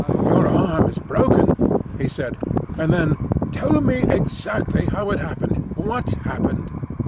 "Your arm is broken," he said, and then, "Tell me exactly how it happened—what happened?"